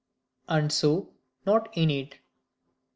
And so not innate.